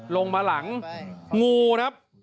ลงมาหลังงูครับ